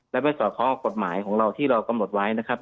และไม่สอดข้อกฎหมายของเราที่เรากำหนดไว้นะครับ